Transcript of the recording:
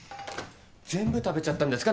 全部食べちゃったんですか？